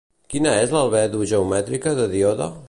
Quina és l'albedo geomètrica de Dione?